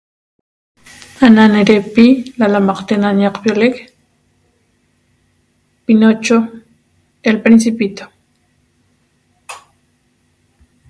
Ana nerecpi lalamaqte na ñaqpiolec pinocho, el principito